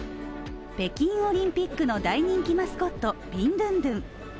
北京オリンピックの大人気マスコット、ビンドゥンドゥン。